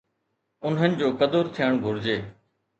انهن جو قدر ٿيڻ گهرجي.